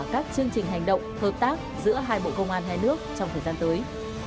các chương trình hành động hợp tác giữa hai bộ công an hai nước trong thời gian tới